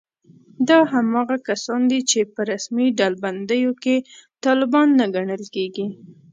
دا هماغه کسان دي چې په رسمي ډلبندیو کې طالبان نه ګڼل کېږي